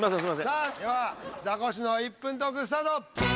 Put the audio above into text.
さあではザコシの「１分トーク」スタート！